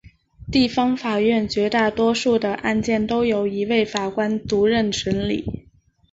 地方法院绝大多数的案件都由一位法官独任审理。